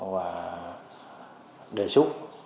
và đề xuất